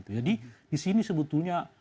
jadi disini sebetulnya